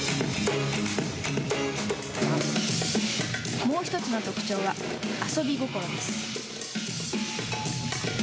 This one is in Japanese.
もうひとつの特徴は遊び心です。